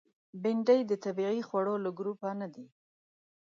بېنډۍ د طبیعي خوړو له ګروپ نه ده